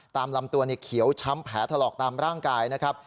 ตามลำตัวเขียวช้ำแผลถลอกตามร่างกายนะครับ